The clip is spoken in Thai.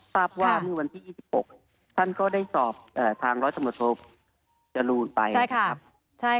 ทราบว่าในวันที่๒๖ท่านก็ได้สอบทางร้อยสมทบจะรู้ไป